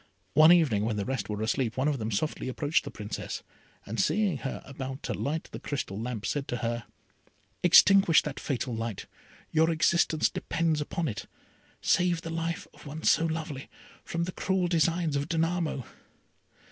One evening, when the rest were asleep, one of them softly approached the Princess, and seeing her about to light the crystal lamp, said to her, "Extinguish that fatal light, your existence depends upon it. Save the life of one so lovely from the cruel designs of Danamo."